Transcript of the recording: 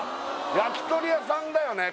焼き鳥屋さんだよね